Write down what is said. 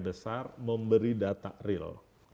besar memberi data real